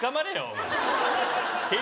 お前